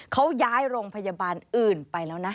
เขาย้ายโรงพยาบาลอื่นไปแล้วนะ